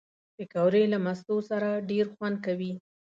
پکورې له مستو سره ډېر خوند کوي